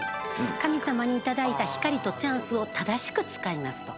神様に頂いた光とチャンスを正しく使いますと。